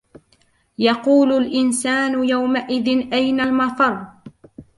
يقول الإنسان يومئذ أين المفر